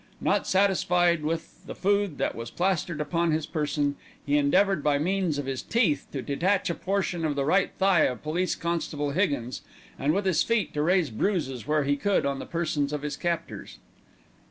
Not satisfied with the food that was plastered upon his person, he endeavoured by means of his teeth to detach a portion of the right thigh of Police constable Higgins, and with his feet to raise bruises where he could on the persons of his captors.